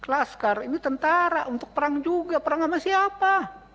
laskar ini tentara untuk perang juga perang sama siapa